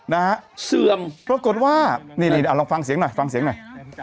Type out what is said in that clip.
นะฮะเสื่อมปรากฏว่านี่นี่ลองฟังเสียงหน่อยฟังเสียงหน่อย